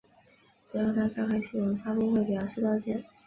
随后他召开新闻发布会表示道歉。